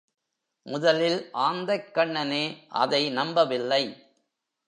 முதலில் ஆந்தைக்கண்ணனே அதை நம்பவில்லை.